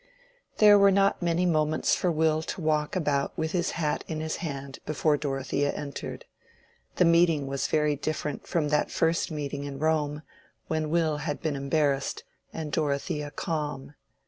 There were not many moments for Will to walk about with his hat in his hand before Dorothea entered. The meeting was very different from that first meeting in Rome when Will had been embarrassed and Dorothea calm.